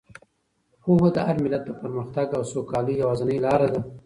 پوهه د هر ملت د پرمختګ او سوکالۍ یوازینۍ لاره ده.